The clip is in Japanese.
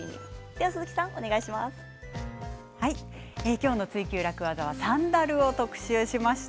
今日の「ツイＱ楽ワザ」はサンダルを特集しました。